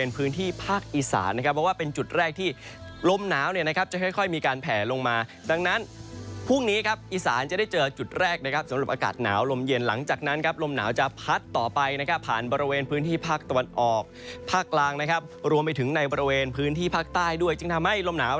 พื้นที่ภาคอีสานนะครับเพราะว่าเป็นจุดแรกที่ลมหนาวเนี่ยนะครับจะค่อยมีการแผลลงมาดังนั้นพรุ่งนี้ครับอีสานจะได้เจอจุดแรกนะครับสำหรับอากาศหนาวลมเย็นหลังจากนั้นครับลมหนาวจะพัดต่อไปนะครับผ่านบริเวณพื้นที่ภาคตะวันออกภาคกลางนะครับรวมไปถึงในบริเวณพื้นที่ภาคใต้ด้วยจึงทำให้ลมหนาว